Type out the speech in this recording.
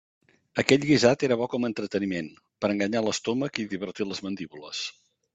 Aquell guisat era bo com a entreteniment, per a enganyar l'estómac i divertir les mandíbules.